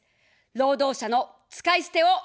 労働者の使い捨てを許さない。